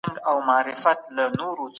موږ باید خپل مسولیتونه وپېژنو.